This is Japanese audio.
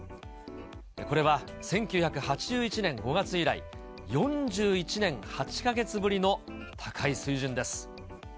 これは１９８１年５月以来、４１年８か月ぶりの高い水準です。